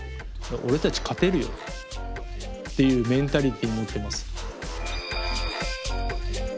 俺たち勝てるよっていうメンタリティー持ってます。